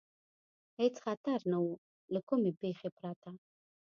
هېڅ خطر نه و، له کومې پېښې پرته.